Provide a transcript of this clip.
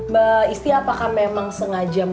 mbak isti apakah memang sengaja